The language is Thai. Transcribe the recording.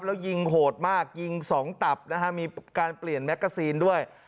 แล้วยิงโหดมากยิงสองตับนะฮะมีการเปลี่ยนแมกกาซีนด้วย